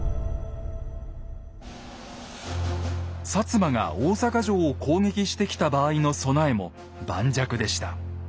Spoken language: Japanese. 摩が大坂城を攻撃してきた場合の備えも盤石でした。